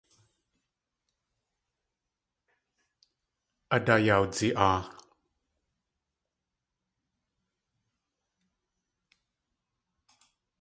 A daa yawdzi.aa.